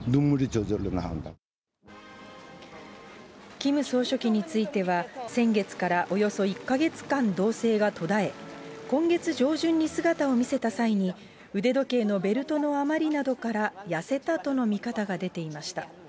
キム総書記については、先月からおよそ１か月間、動静が途絶え、今月上旬に姿を見せた際に、腕時計のベルトの余りなどから、痩せたとの見方が出ていました。